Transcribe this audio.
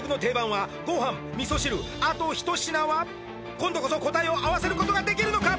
今度こそ答えを合わせることができるのか？